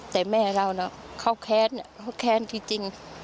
แต่แม่เราน่ะเค้าแค้นนะเค้าแค้นที่จริง